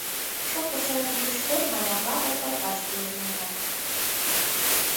Шуко шӧрым лӱштет — маякла волгалташ тӱҥалат.